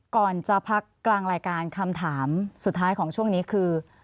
ก่อนจะพักกลางรายการคำถามสุดท้ายของช่วงนี้คือ